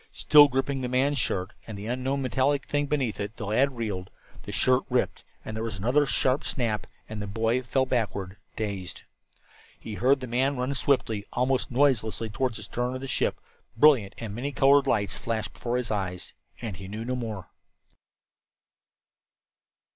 Still gripping the man's shirt, and the unknown metallic thing beneath it, the lad reeled. The shirt ripped, there was another sharp snap, and the boy fell backward, dazed. He heard the man run swiftly, almost noiselessly toward the stern of the ship; brilliant and many colored lights flashed before his eyes and he knew no more.